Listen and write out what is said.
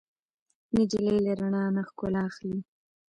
نجلۍ له رڼا نه ښکلا اخلي.